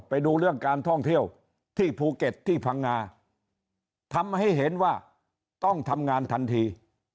ไปดูเรื่องการท่องเที่ยวที่ภูเก็ตที่พังงาทำให้เห็นว่าต้องทำงานทันที